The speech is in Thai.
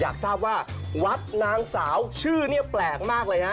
อยากทราบว่าวัดนางสาวชื่อเนี่ยแปลกมากเลยฮะ